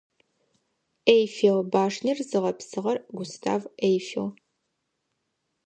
Эйфел башнэр зыгъэпсыгъэр Густав Эйфел.